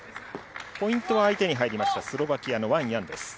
ポイントは相手に入りました、スロバキアのワン・ヤンです。